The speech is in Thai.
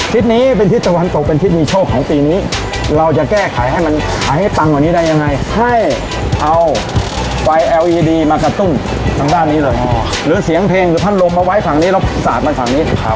ทิศนี้เป็นทิศตะวันตกเป็นทิศมีโชคของปีนี้เราจะแก้ไขให้มันขายให้ปังกว่านี้ได้ยังไงให้เอาไฟเอลอีดีมากระตุ้นทางด้านนี้เลยหรือเสียงเพลงหรือพัดลมมาไว้ฝั่งนี้แล้วสาดมันฝั่งนี้